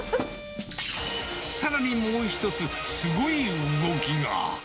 さらにもう一つ、すごい動きが。